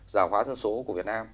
giảm hóa dân số của việt nam